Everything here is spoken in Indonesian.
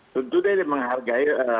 tentu deh dia menghargai